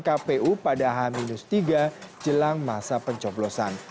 kpu pada h tiga jelang masa pencoblosan